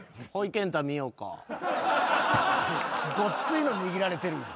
ごっついの握られてるやん。